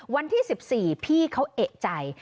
วันที่๑๔พี่เขาเอกใจ